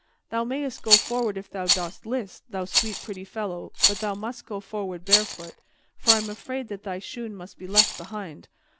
Thou mayst go forward if thou dost list, thou sweet pretty fellow, but thou must go forward barefoot, for I am afraid that thy shoon must be left behind.